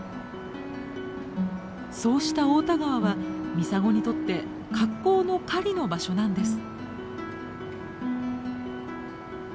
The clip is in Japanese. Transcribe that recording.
そうした太田川はミサゴにとって格好の狩りの場所なんです。